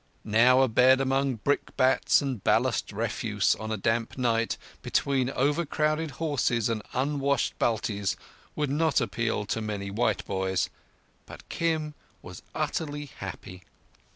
Now a bed among brickbats and ballast refuse on a damp night, between overcrowded horses and unwashed Baltis, would not appeal to many white boys; but Kim was utterly happy.